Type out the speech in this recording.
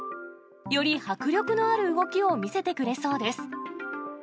より迫力のある動きを見せてくれそうです。